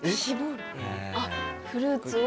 あっフルーツを？